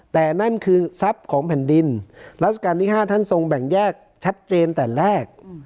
แต่นั่นคือทรัพย์ของแผ่นดินรัชกาลที่๕ท่านทรงแบ่งแยกชัดเจนแต่แรก